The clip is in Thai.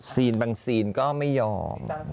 บางซีนก็ไม่ยอม